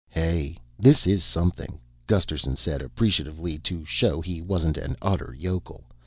"Hey, this is something," Gusterson said appreciatively to show he wasn't an utter yokel.